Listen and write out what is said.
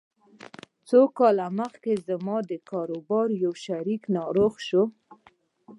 څو کاله مخکې زما د کاروبار يو شريک ناروغ شو.